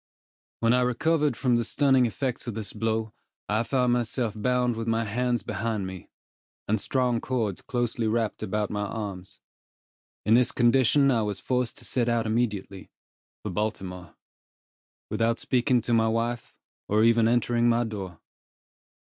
When I recovered from the stunning effects of this blow, I found myself bound with my hands behind me, and strong cords closely wrapped about my arms. In this condition I was forced to set out immediately, for Baltimore, without speaking to my wife, or even entering my door.